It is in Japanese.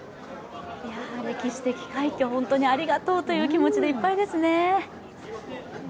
歴史的快挙、本当にありがとうという気持ちでいっぱいですね。